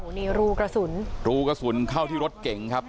นี่รูกระสุนรูกระสุนเข้าที่รถเก่งครับ